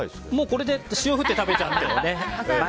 これで塩振って食べちゃってもね。